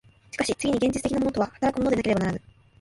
しかし次に現実的なものとは働くものでなければならぬ。